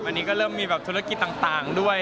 อันนี้ก็เริ่มมีแบบธุรกิจต่างด้วย